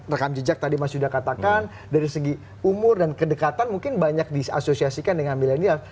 rekam jejak tadi mas yuda katakan dari segi umur dan kedekatan mungkin banyak diasosiasikan dengan milenial